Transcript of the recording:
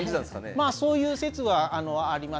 まあそういう説はあります。